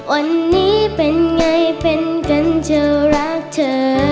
วันนี้เป็นไงเป็นกันเธอรักเธอ